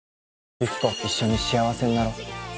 ユキコ一緒に幸せになろう。